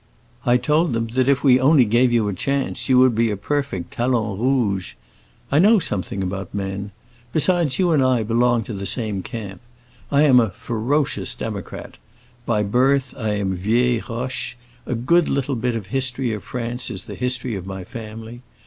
I told them that if we only gave you a chance you would be a perfect talon rouge. I know something about men. Besides, you and I belong to the same camp. I am a ferocious democrat. By birth I am vieille roche; a good little bit of the history of France is the history of my family.